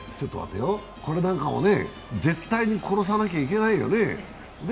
これなんかも、絶対に殺さなきゃいけないよね。